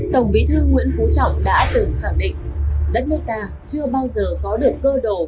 tổng bí thư nguyễn phú trọng đã từng khẳng định đất nước ta chưa bao giờ có được cơ đồ